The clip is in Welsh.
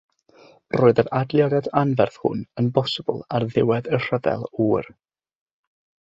Roedd yr adleoliad anferth hwn yn bosibl ar ddiwedd y Rhyfel Oer.